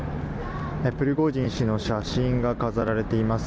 プリゴジン氏の写真が飾られています。